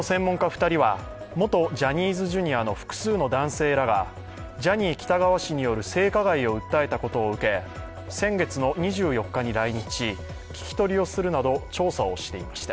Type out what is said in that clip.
２人は元ジャニーズＪｒ．の複数の男性らがジャニー喜多川氏による性加害を訴えたことを受け先月２４日に来日、聞き取りをするなど調査をしていました。